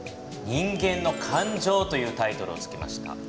「人間の感情」というタイトルをつけました。